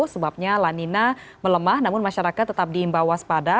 sebabnya lanina melemah namun masyarakat tetap diimbawah sepada